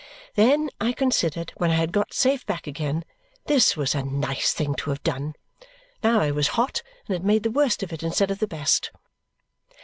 Then, I considered, when I had got safe back again, this was a nice thing to have done! Now I was hot and had made the worst of it instead of the best.